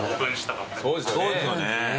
そうですよね。